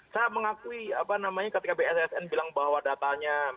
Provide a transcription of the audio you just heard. saya mengakui ketika bssn bilang bahwa datanya